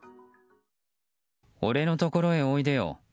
俺のところへおいでよ。